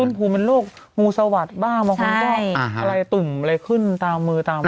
คุณภูมิเป็นโรคงูสวัสดิ์บ้างบางคนก็อะไรตุ่มอะไรขึ้นตามมือตาม